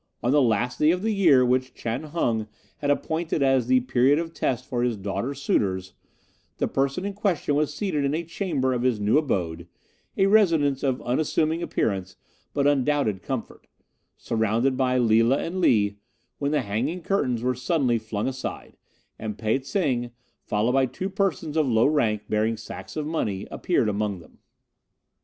"On the last day of the year which Chan Hung had appointed as the period of test for his daughter's suitors, the person in question was seated in a chamber of his new abode a residence of unassuming appearance but undoubted comfort surrounded by Lila and Lee, when the hanging curtains were suddenly flung aside, and Pe tsing, followed by two persons of low rank bearing sacks of money, appeared among them.